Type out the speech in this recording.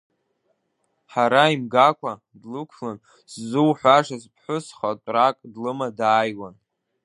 Хара имгакәа, длықәлан ззуҳәашаз ԥҳәыс хатәрак длыма дааиуан.